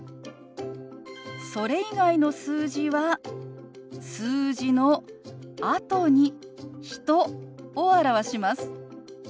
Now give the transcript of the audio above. それ以外の数字は数字のあとに人を表します。